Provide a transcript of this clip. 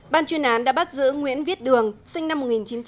ban chuyên án đã bắt giữ nguyễn viết đường sinh năm một nghìn chín trăm bảy mươi bảy